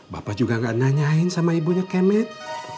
bapak juga gak nanyain sama ibunya kemet